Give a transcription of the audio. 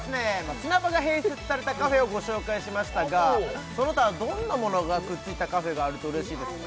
砂場が併設されたカフェをご紹介しましたがその他どんなものがくっついたカフェがあると嬉しいですか？